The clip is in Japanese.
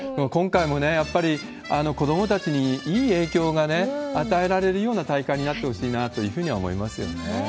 今回もね、やっぱり子どもたちにいい影響が与えられるような大会になってほしいなというふうには思いますよね。